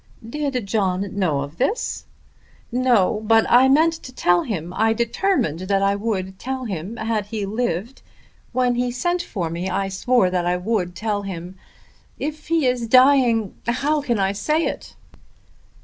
"Did John know of this?" "No; but I meant to tell him. I determined that I would tell him had he lived. When he sent for me I swore that I would tell him. If he is dying, how can I say it?"